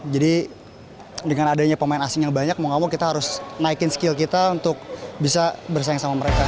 jadi dengan adanya pemain asing yang banyak mau gak mau kita harus naikin skill kita untuk bisa bersaing sama mereka